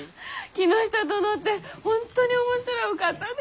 木下殿って本当に面白いお方で。